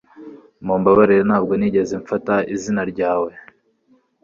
Mumbabarire ntabwo nigeze mfata izina ryawe